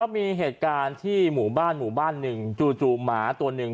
มีเหตุการณ์ที่หมู่บ้านหมู่บ้านหนึ่งจู่หมาตัวหนึ่ง